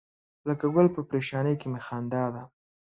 لکه ګل په پرېشانۍ کې می خندا ده.